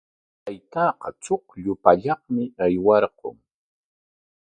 Taytaaqa chuqllu pallaqmi aywarqun.